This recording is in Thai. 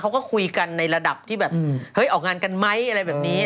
เขาก็คุยกันในระดับที่แบบเฮ้ยออกงานกันไหมอะไรแบบนี้